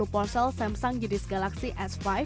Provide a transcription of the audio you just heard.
empat puluh ponsel samsung jenis galaxy s lima